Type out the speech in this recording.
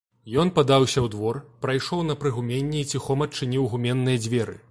Ён падаўся ў двор, прайшоў на прыгуменне і ціхом адчыніў гуменныя дзверы.